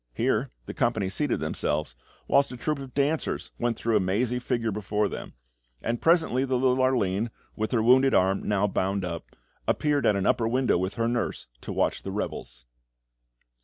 Here the company seated themselves, whilst a troupe of dancers went through a mazy figure before them; and presently the little Arline, with her wounded arm now bound up, appeared at an upper window with her nurse, to watch the revels.